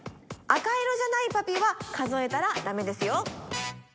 赤色じゃないパピは数えたらダメですよ。